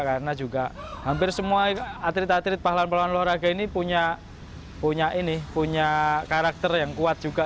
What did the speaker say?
karena juga hampir semua atlet atlet pahlawan olahraga ini punya karakter yang kuat juga